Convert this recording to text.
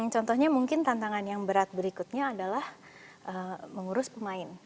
contohnya mungkin tantangan yang berat berikutnya adalah mengurus pemain